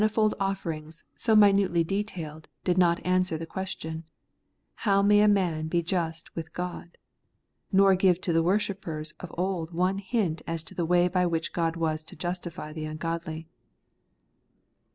121 fold oflferings, so minutely detailed, did not answer the question, How may man be just with God ? nor give to the worshippers of old one hint as to the way by which God was to justify the ungodly.